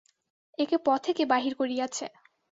একে পথে কে বাহির করিয়াছে!